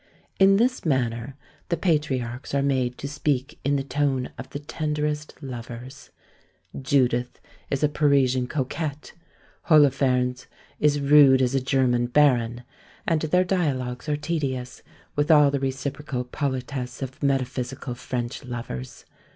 In this manner the patriarchs are made to speak in the tone of the tenderest lovers; Judith is a Parisian coquette, Holofernes is rude as a German baron; and their dialogues are tedious with all the reciprocal politesse of metaphysical French lovers!